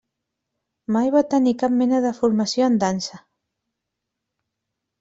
Mai va tenir cap mena de formació en dansa.